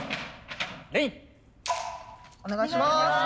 お願いします。